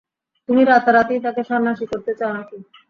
তুমি রাতারাতিই তাঁকে সন্ন্যাসী করতে চাও নাকি?